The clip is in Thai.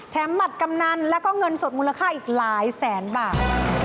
หมัดกำนันแล้วก็เงินสดมูลค่าอีกหลายแสนบาท